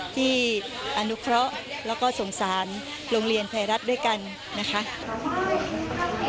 ที่อนุเคราะห์แล้วก็สงสารโรงเรียนไทยรัฐด้วยกันนะคะ